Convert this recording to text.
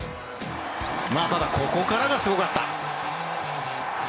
ただ、ここからがすごかった。